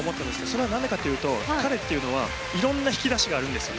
それはなぜかというと彼はいろんな引き出しがあるんですよ。